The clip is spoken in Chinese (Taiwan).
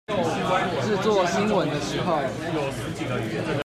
製作新聞的時候